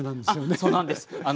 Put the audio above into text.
あっそうなんです。